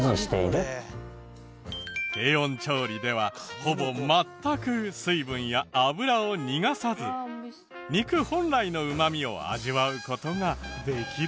低温調理ではほぼ全く水分や脂を逃がさず肉本来のうまみを味わう事ができるのだそう。